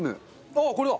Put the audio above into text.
ああこれだ！